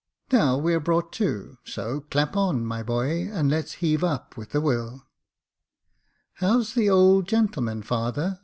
Now we're brought to ; so clap on, my boy, and let's heave up with a will." "How's the old gentleman, father